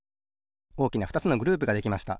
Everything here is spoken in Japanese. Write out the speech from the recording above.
おおきなふたつのグループができました。